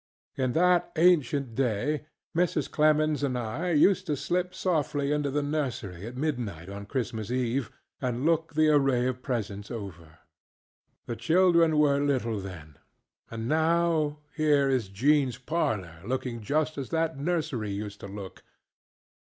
In that ancient day Mrs. Clemens and I used to slip softly into the nursery at midnight on Christmas Eve and look the array of presents over. The children were little then. And now here is JeanŌĆÖs parlor looking just as that nursery used to look.